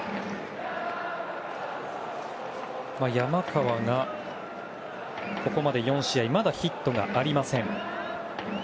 山川がここまで４試合まだヒットがありません。